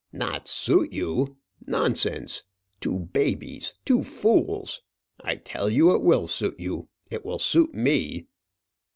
"Not suit you! nonsense. Two babies; two fools! I tell you it will suit you; it will suit me!"